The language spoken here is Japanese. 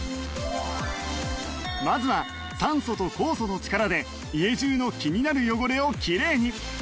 まずは酸素と酵素の力で家中の気になる汚れをきれいに